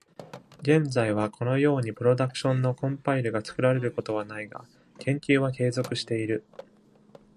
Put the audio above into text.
現在はこのようにプロダクションのコンパイルが作られることはないが、研究は継続している。